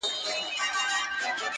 پرې کوي غاړي د خپلو اولادونو.!